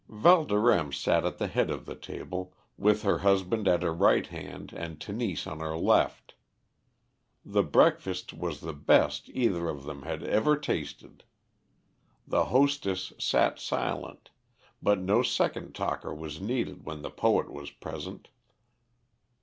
Valdorême sat at the head of the table, with her husband at her right hand and Tenise on her left. The breakfast was the best either of them had ever tasted. The hostess sat silent, but no second talker was needed when the poet was present.